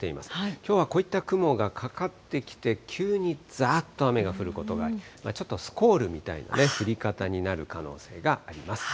きょうはこういった雲がかかってきて、急にざーっと雨が降ることがあり、ちょっとスコールみたいな降り方になる可能性があります。